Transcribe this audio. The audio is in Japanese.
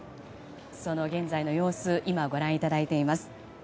その現在の様子を今、ご覧いただいています。